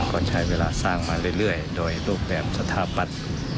ก็ใช้เวลาสร้างมาเรื่อยโดยรูปแบบสถาปัตย์